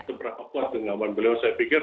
seberapa kuat pengalaman beliau saya pikir